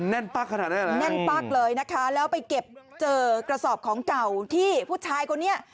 แน่นปักเลยนะคะแล้วไปเก็บเจอกระสอบของเก่าที่ผู้ชายคนนี้